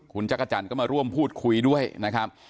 คุณจักรจันทร์ก็มาร่วมพูดคุยด้วยนะครับ